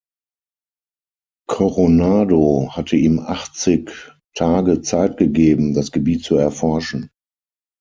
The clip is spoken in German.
Coronado hatte ihm achtzig Tage Zeit gegeben, das Gebiet zu erforschen.